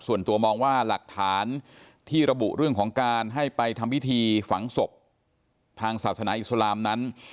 ส่วนตัวมองว่าหลักฐานที่ระบุเรื่องของการให้ไปทำพิธีฝังศพทางศาสนาอิสลามนั้น